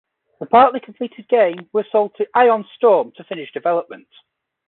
The partially completed game was sold to Ion Storm to finish development.